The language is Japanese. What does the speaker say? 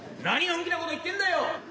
何のんきなこと言ってんだよ。